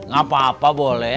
gak apa apa boleh